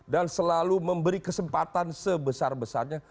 dan selalu memberi kesempatan sebesar besarnya